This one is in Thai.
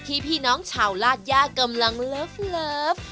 พี่น้องชาวลาดย่ากำลังเลิฟ